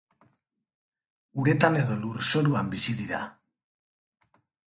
Uretan edo lurzoruan bizi dira.